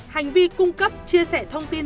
hành vi cung cấp chia sẻ thông tin